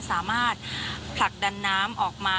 สามารถผลักดันน้ำออกมา